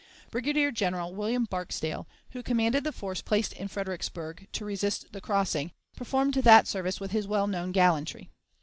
Brigadier General William Barksdale, who commanded the force placed in Fredericksburg to resist the crossing, performed that service with his well known gallantry.